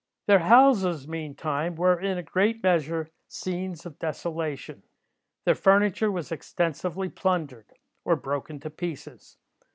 "Their houses, meantime, were, in a great measure, scenes of desolation. Their furniture was extensively plundered, or broken to pieces.